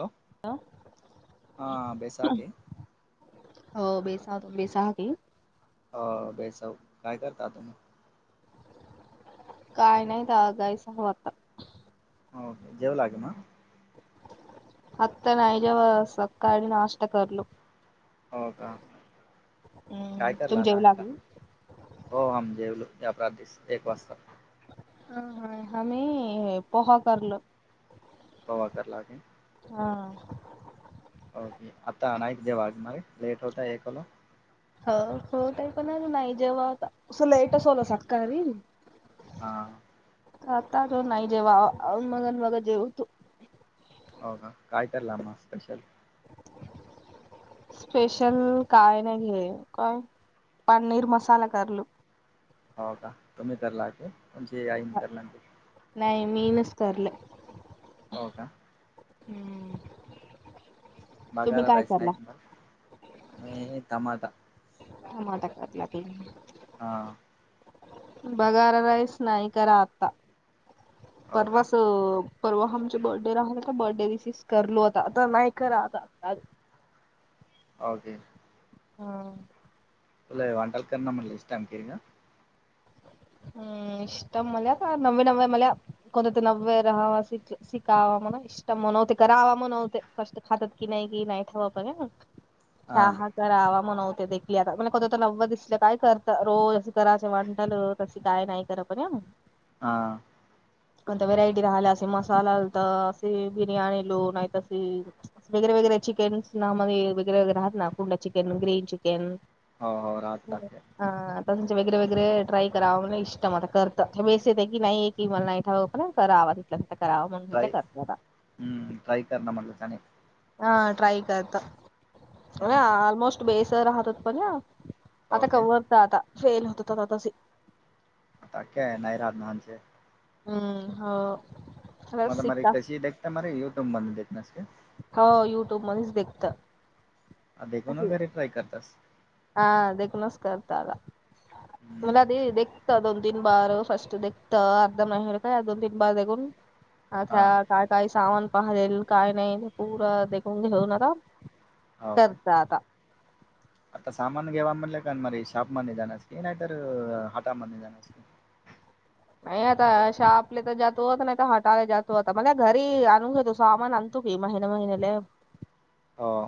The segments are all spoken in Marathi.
हॅलो हा हॅलो बैसाख आहे हो बेसात बेसाहा बी हो बेसव काय करता काय नाही दगाय सवतात जेव लागे ना आता नाई जव सकाळी नाष्ट करर्ल हो का हम्म काय तुम करला जेवू नाष्टा लागली हो आम् जेवलो या प्रात दिस एक वाजता आम्ही पोहा करलो. पोहा करलागे. हा ओके आता नाही कि जे वागणार लेट होता एकला हो हो काही पणा नाही जेव्हा आ अस लेटच होल सकाळी हा आता ज नाही जेव्हा मग मग जेव तू हो का कायला मगं स्पेशल स्पेशल काय नाही घे काय पनीर मसाला करलो. हो का तुम्ही करलागे तुमची आई करलागे. नाही मीनच करलं. हो का [unintelligible] बगार काय रईस करला नाहीक म आणि टमाटा [unintelligible] हां. बगार राईस नाही करा आत्ता. हो परवा का [unintelligible] परवा आमचे बर्थडे राहल का? बर्थडे विसेस करलो होता. आता नाही ख राहता. ओके. हां. [unintelligible] [unintelligible] कोण ते नव्वे राहावा. सिकावा म्हला. [unintelligible] [unintelligible] कस काय नाही करत [unintelligible] हां. कोणता व्हेरायटी राहिल्या अस मसाला तर असे बिर्याणी लो नाहीतशी. [unintelligible] [unintelligible] [unintelligible] करावं हो हो राहत टाकते मग मी ते ट्राय करतता. हम्म. ट्राय करणार म्हटलं त्याने. हा. ट्राय करत. अे ऑलमोस्ट बेस राहतात पण ना? आता कवर आता फेल होत आता तसे. [unintelligible] हम्म. हो. सगळं शिकता [unintelligible] हो. युट्यूब मधच देखत. असे [unintelligible] हा. देखूनच [unintelligible] हम्म. [unintelligible] हा [unintelligible] करत हो काय आता. आता सामान घ्यावा म्हटलं का म शॉपमध्ये जाण्यास की नाहीतर हटामध्ये जाण्यास की. [unintelligible] [unintelligible] महिन महिन्याला. हा.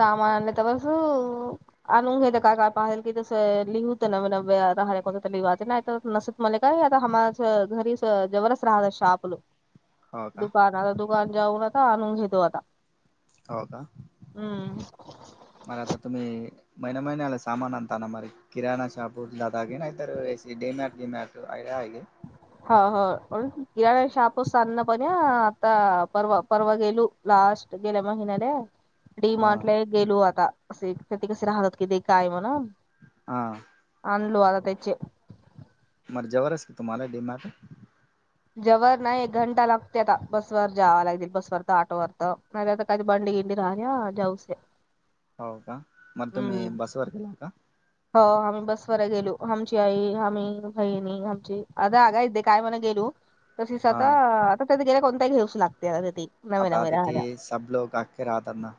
सामान [unintelligible] आणून घेतेत काय काय पाहिल की तसं लिहूतं [unintelligible] मला काय आता हम [unintelligible] हो का दुकान. आता दुकान जाऊन आता आणून घेतो आता. हो का? हम्म मला आता तुम्ही- महिन्या महिन्याला सामान [unintelligible] किराणा [unintelligible] आहे हो. हो. किराणा [unintelligible] आता परवा परवा गेलू. लास्ट गेल्या महिन्याला. डी हा मार्टले गेलो आता. असे ते ते कसे राहतात कि ते काय ए म्हणून. हां. आनलो आता त्याचे- मग जवळ असल तुम्हाला डी मार्ट. जवळ नाही एक घंटा लागते आता, बसवर जावा लागेल बसवरन ऑटोवर तर मला तर काही भांडी येती राहीना, जाऊच दे. हो का? मग तुम्ही बसवर गेला का? हो आम्ही बसवर गेलो, आमची आई, आम्ही, बहिणी आमची, अग आई ते काय म्हणते गो? तशीच आता हा आता त्याला कोणताही दिवस लागतोया आता तेथे. आता तिथे सब लोक आके राहता ना.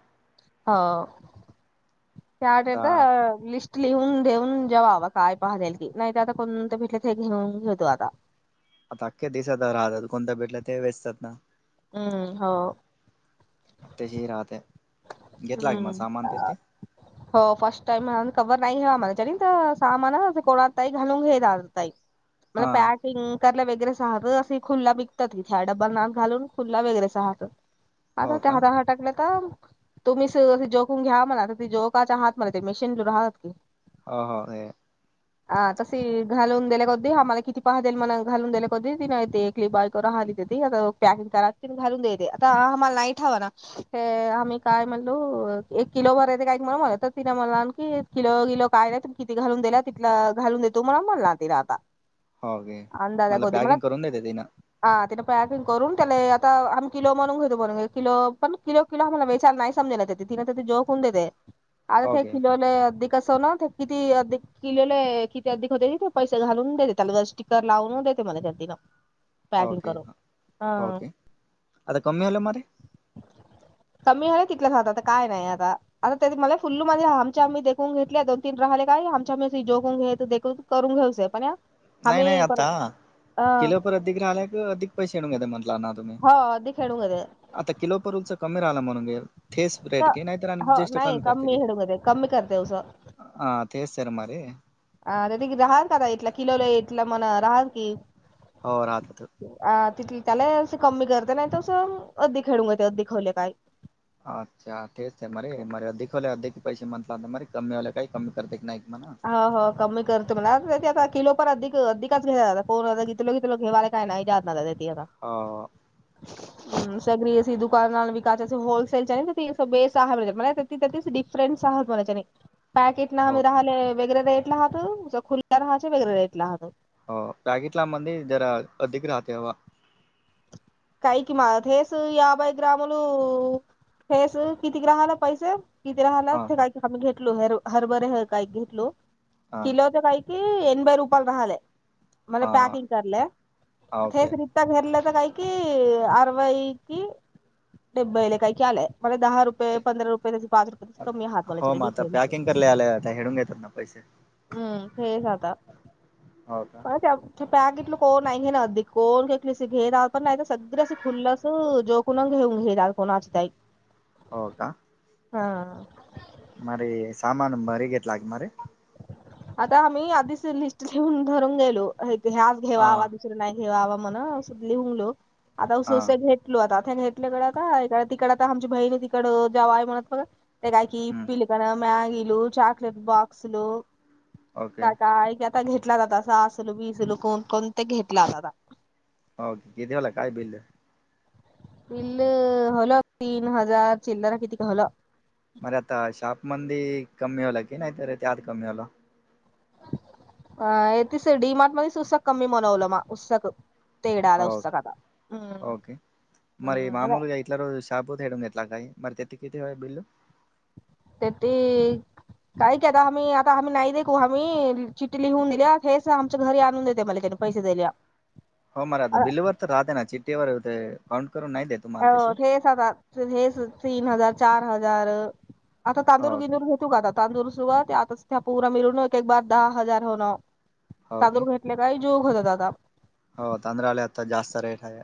हो. त्या आता तिथं लिस्ट- लिहून देऊन जेवा हव काय पाहिजेल ते, नाहीतर आता कोण ते भेटले ते हे घेऊन घेतो आता. आता अख्खे देशात ते राहतात, कोणता भेटला ते असतात ना. हम्म हो. आत्ता जे राहताय. घेतला का म सामान तर हम्म ते? हो फर्स्ट टाईम म्हणून कवर नाही घेवा, त्याने तर सामान कोणात काही घालून घेतला ताई. मल हा पॅट- किं कारला वगैरेच राहात असे खुल्ला बिकतात ईथ्या डब्याला नाक घालून खुल्ला वगैरेच राहतं. हो आता त्या का हाताने टाकले तर- तुम्ही शेजारी झोपून घ्या म्हणा, झोपायच्या हाय म्हणा ते, मशीन दूर राहाते. हो हो ए- अ तसे घालून देणार होते, आम्हाला किती पान देईल म्हणून, घालून देणार की नाही ते. ली बॉल करू राहात ती, पॅकिंग करायची आणि घालून द्यायची ती, आता आम्हाला नाही ठाव ना. अ आम्ही- काय म्हणलो, एक किलो वर्याचं काय केलं म्हणा तर तिने म्हणल आणखी किलो किलो काय नाही. किती घालून दिल्या तिथला घालून देतो म्हणून म्हणला तिला आता. हो घे अंधाऱ्या मला खोती मळ्यात पॅकिंग करून देते तिनं - हा तिथं पॅकिंग करून त्याला आता आम्ही किलो म्हणून घेतो म्हणून किल पण किलो किलो म्हणून हेच - नाही समजत ते. ती झोकून देते, हो अर्ध्या घे किलोला - कस ना ते किती यादे- किलोला किती अगदी होते ते पैसे घालून देते त्याला स्टिकर लावून देते मला त्यात तिनं. ओके हां, ओके, आता कमी नाही झालं म ते? कमी झालं तिथला आता, काय नाही आता. आता त्या मला फुल्लू माझे आमच्या आम्ही देखून घेतले दोन तीन राहिले काय आमच्या आ जोगून घ्यायचं देखो. करून घ्याऊचेय पण या नाही नाही आम्ही पर आता, अ किलो पर अधिक राहिलाय क अधिक पैसे नाही घेतो म्हंटला ना तुम्ही. हो अधिक खेळून घेते आता किलोपरूचा कमी राहिला म्हणून घे, फिक्स रेट घे नाही तर आम्ही जीएसटी कमी करतो की. कम करते अस. हा ते सर मरे अ दादा की राहान दादा इकला किलोला इकला म्हणा, रहा की. हो राहतो तर. अ तिथ त्याला अस कमी करते. नाही तं अस अगदी खेळून घेत अगदी खावले काय. अच्छा तेच आहे मरे मरे अधिकवले अधीक पैसे म्हंणला म कमी वाले काही कमी करते की नाही म्हण. ह हो कमी करतो म्हणा आ आता किलोपर अधिक अधिकच घ्यायला, फोन आला की लगेच तुला घेवाले - काय नाही जादाला देते आता. हो हो. [inaudible] हम सगळी अशी दुकानाल विकाच अस होलसेलच्या बेहिसाब हे त त्या तेच डिफरन्स आहात मणाच्याने [unintelligible] पॅकेट न आम्ही हो राहिले वगरे रेटला लावत खुले राहाचे वगैरे रेटला लाहहतं. हो पॅकीटला मंदी जरा अधिक राहते ह काही किमा हेस याभय ग्रामाल हेस किती ग्राहाला पैसे तिथ राहाला हां ते काही आम्ही घेतलो हरभरे ह काही घेतलो हां किल्या होते काही कि एनब रुपल राहिले म्हले हां पॅकिंग करले. हां ओके घरलं तर काही. क अरवई क डबबई काही क आलं म दहा रुपय ते पंधरा रुपये त्या पाच रुपये त कमी आहात हो मग आता मलाडिफरेन पॅकिंग करले आले आता हेडून घेतात ना पैसे हम्म हे झाता. हो का? पॅग कलं कोण नाही. घे ना अधदी कोणली घेना. पण नाही सगळ असे खुलं असं. जो कुणाल घेऊन घे कोणाची तई हो का! हा मार सामान मरी गेेत लाग मर [unintelligible] आता आम्ही आधीच लिस्ट लिऊून धरून गेलो. ह्याज घेवा आवा हां नाहीेवावा म्हण लिहून आता ऊस उस हां भटल आता घेटल्याकडें आता तिकडडे आता आमची बहीणी तिकडडे जेव आहे. म्हणत बघ ते काय क हम्म पिलकन मॅगी ल चचाकलेट बॉक्स लवू ओके काय काय घेतला जात सासल बीसल कोण कोण ते घेतला जात. हो कितीे वाला काय बिल? बिल होल तीन हजार चिल्लार किती काय होल मरे आता शाप म कमी होला. की नाहीत त्या आत कमी होल अ तस डी मार्ट मध्येच उस्साक कमी बनवलं मा उत्साक तेडला हो पुस्तकता हम् हम् म [unintelligible] सापूतेडूला काय मर तेती कितीय बिलू [unintelligible] तेते काही की आता आम्ही आता आम्ही नाही दे आम्ही चिट लिहून दिल्या हेच आमच्या घरी आणून देते मला त्या, पैसे देल्या होम रात बिल ववर तर राहते. ना चिट्टठी ववर हो काउंट करून नाही देत. अ हेच आता हेच तीन हजार चार हजार आता हो तांदूर ओके बिदूर ता तांदूर सुर आता त्या पूरा मिळून एक एक बार दहा हजार होण ओके तांदूर घे म काही जोक होता दादा हो तांंद्र आले आता जास्त रेट आहे.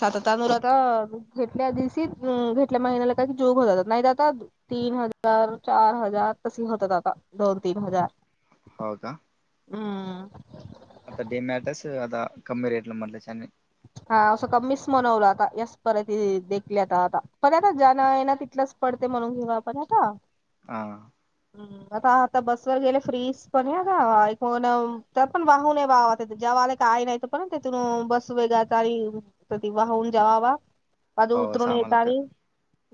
सातत अनुर आता घेतल्या दिवशी घेतल्या महिन्याला काय क जोग हो जातात नाहीत. आता तीन हजार चार हजार तसे होतात. आता दोन तीन हजार हो का हम्म आता डीमॅटर्स आता कमी रेट ला म्हटलंचने हा असं का मिस म्हनवलं आता या परती देखली आता आता पण आता जाना आहे ना तिलंच पडते. म्हणून घेऊ आपण हता हा हा आता आता बसवर गेले फ्रीज पण का कण त्यात पण वाहूनय वावात जेवले काय नाही. पण तिथून बस वग ते वाहून जेवावा बाजू हो उतरून सामाला क येतानी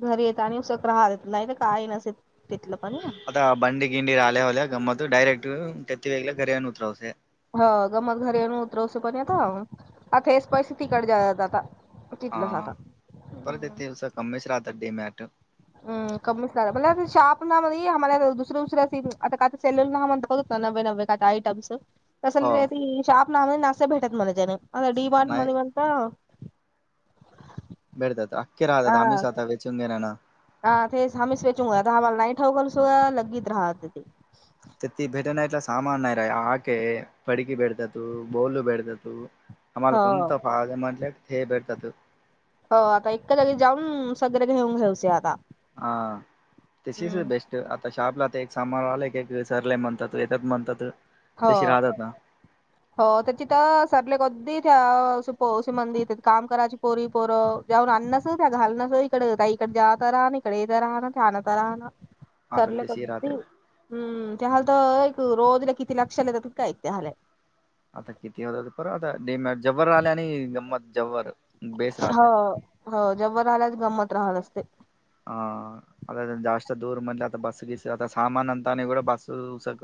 घरी येत आणि उसक राहतेत नाही तर काय नसे तिथलं पण आता बं गिंि र आालेवाले्या गमत डयरेट तेत्ि वेला घरी्यान उत्रव से ह गमत घरी येऊन उतरवश पण आता आता हेच पैसे तिकड जात आता हा तिथलंच आता पर देते उ केच राहतात डेमॅट हम कमीणार म्ह शाप ना आम्हाला दुसर्या दुसर्या आता काय सल्ल नामण तपगत न् नववे का यईटम्स तस हो त शाप नाने ना भेटत मला जने डीर्ट नाही म्ह ह भेटतात अख्ख राहतात आम्हीच आता वेचून घेणार ना हा ते हममी स वेचूगा हवाल नाही ठाऊलस लगत राहाह तेत्ती भेटनटला सामान नाही आहे रा आके पडकी पडतात बोलल पडतात आम्हाला हो कोण पाद म्हटला तेथ भेडतात हो आता एक जागी जाऊन सगळं घेऊन घ्याऊच आता ह दिस इज हम्म बेस्ट आता शॉपला आ एक सामान आला एक सरला म्हणतातत म्हणतात हो तशी राहतात ना हो त्याची तर सरले कदीशी मंदिर काम करायची पोरी पोरं जाऊन आणनस त्या घाल नस इकड त्या इकडडे जाात राह ना इकडे येत राहणार छणता राहणार आता सरले तशी राहते कदी हम्म त्या हल तर एक रोजला किती लक्षलाेतात काय त्या हलाय आता किती होत पर आता डेम जब्वरर आल्या आणि गंमत जब्बर हो हो जब्बर राल्यास गंमत राहत असते आ आता जास्त दूर मध आता बस गीस आता सामाान अंतनी कड बससक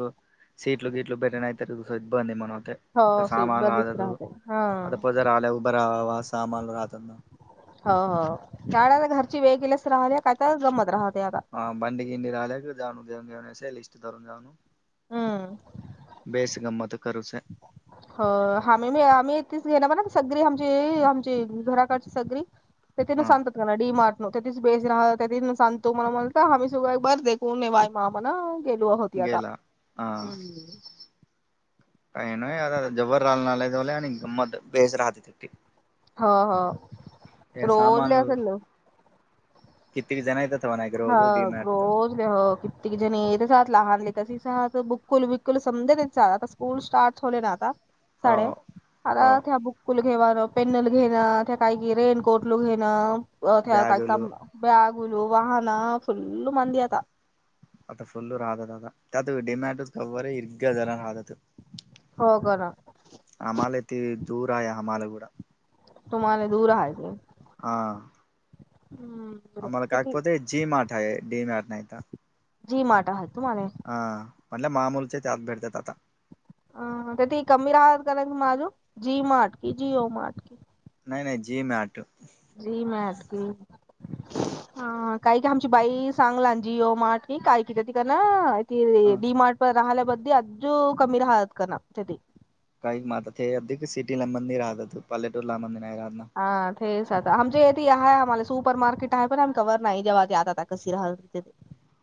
सीटल गीटल बेरेनयतरस इ बंद नि मन मते हो स सामाान आ बरीच राहते हा अ प उधर आला उभर राहावा सामान राहतना हो हो गाड घरची वेळ गेलीच राहिली काय तर जमत राहते आता ह बंडी किंडी रलेकडे जाऊ जेऊन घेव लिस्टधरून जाऊ हम्म बेस गमत करूस हो आम्ही मी आम्ही येथेच घेणार ब सगरी आमची आमची घराकडची सगरी ते तिन हा संंत डी मार्टो त्याच बेस राह त्या सांगतो मला म्हण आम्ही सगळा एक बर दे ने बाय मा पणा गेलो होती आता गेला हा हम्म काही न आता जबर लाल नालावले आणि ग मत बेस राहतेती हा हा रोलले असेल ना किती जण येतात त्हाय एकोज डी मॅटो हो कित्येक जणीसात लहानले तसे सात बुकुल बुकुल समजेत स्कूल स्टार्ट होले ना आता हो साडे हो आता त्या बुक कुल घेवाणं पेननल घेणं त्या काही रेनकोट ल घेणं त्या काही का बॅगुलू बॅगल वाहन फुल्ल मंद आता आता फुल्लू राहतात आता त्यात डेमॅटोज कव्वरे हर्ग जरा राहतात होग ना आमाला ते दुर आहे. हमालावडा तुम्हाला दुर हाय. हा हम्म आम्हाला [unintelligible] जीमाॅड आहे डीमॅट नाहीता. जी मार्ट हा तुम्हाला, हां म्हटले मामूलचे ते आत भेटतात आता, अ ते ते कमी राहा काररा माझू जी मार्ट कि, जिओ मार्ट की नाही नाही जि ए मॅट जी माॅट हा काय का आमची बाई सांगला आणि जिओ माठ क काय कि त का ना ह [unintelligible] काही म्हहात हे अधदी सिटीला मंदी राहतात पाल्लेटूरला मंदी नाही राह ना, हा तेेच आता आमचे येथ आहेय आम्हाला सुपर मार्केट आहे पण [unintelligible]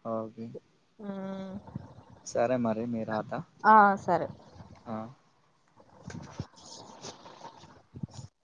हो गे हम्म हा सर [unintelligible]